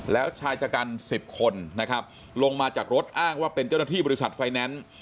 แล้วชายชะกัน๑๐คนนะครับลงมาจากรถอ้างว่าเป็นเจ้าหน้าที่บริษัทไฟแนนซ์